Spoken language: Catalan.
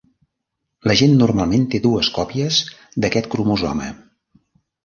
La gent normalment té dues còpies d'aquest cromosoma.